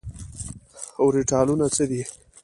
اوربيتالونه څه دي ؟